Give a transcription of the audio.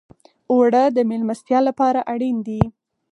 اوړه د میلمستیا لپاره اړین دي